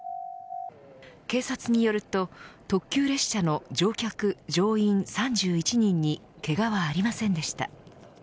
警察によると特急列車の乗客、乗員３１人にけがはありませんでした。